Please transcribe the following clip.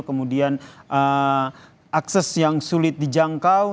kemudian akses yang sulit dijangkau